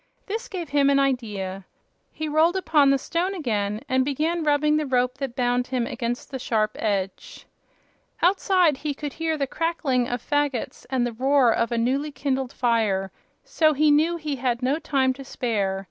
This gave him an idea. He rolled upon the stone again and began rubbing the rope that bound him against the sharp edge. Outside he could hear the crackling of fagots and the roar of a newly kindled fire, so he knew he had no time to spare.